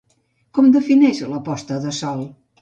Com defineix la posta de sol?